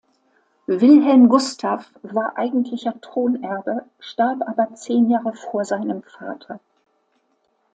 Wilhelm Gustav war eigentlicher Thronerbe, starb aber zehn Jahre vor seinem Vater.